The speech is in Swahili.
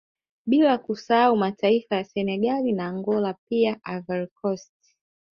Bila kusahau mataifa ya Senegali na Angola pia Ivorycost